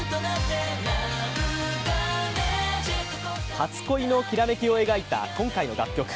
初恋のきらめきを描いた今回の楽曲。